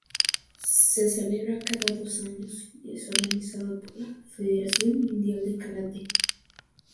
Se celebra cada dos años y es organizado por la Federación Mundial de Karate.